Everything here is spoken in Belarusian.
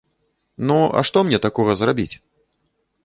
Ну, а што мне такога зрабіць?